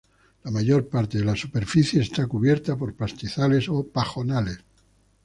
La mayor parte de la superficie está cubierta por pastizales o pajonales.